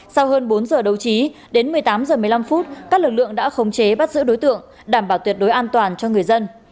sau hơn bốn giờ đấu trí đến một mươi tám h một mươi năm phút các lực lượng đã khống chế bắt giữ đối tượng đảm bảo tuyệt đối an toàn cho người dân